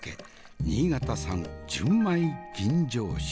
新潟産純米吟醸酒。